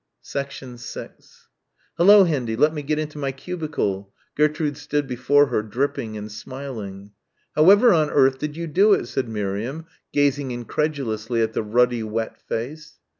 6 "Hullo, Hendy, let me get into my cubicle." Gertrude stood before her dripping and smiling. "However on earth did you do it?" said Miriam, gazing incredulously at the ruddy wet face.